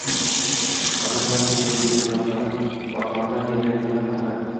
Odnoklassnikida yurgan vaqtlarim orqamdan gapirayotganlar haqida